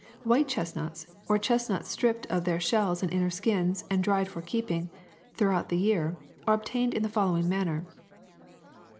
^^ White chestnuts, or chestnuts stripped of their shells and inner skins and dried for keeping through out the year, are obtained in the following manner.